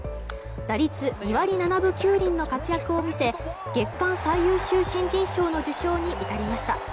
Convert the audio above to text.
打率２割７分９厘の活躍を見せ月間最優秀新人賞の受賞に至りました。